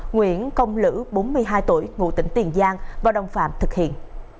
nguyễn công lữ bốn mươi hai tuổi ngụ tỉnh tiền giang và đồng phạm thực hiện